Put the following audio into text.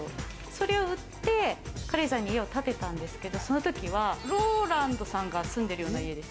それを売って、軽井沢に家を建てたんですけど、その時はＲＯＬＡＮＤさんが住んでるような家。